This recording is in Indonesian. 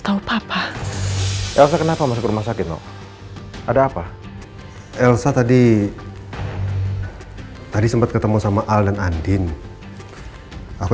kau papa elsa kenapa masuk rumah sakit ada apa elsa tadi tadi sempat ketemu sama al dan adin aku